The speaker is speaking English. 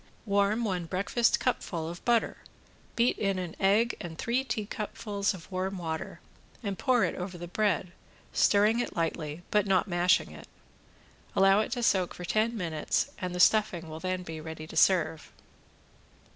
Warm one breakfast cupful of butter, beat in an egg and three teacupfuls of warm water and pour it over the bread, stirring it lightly, but not mashing it. Allow it to soak for ten minutes and the stuffing will then be ready to serve.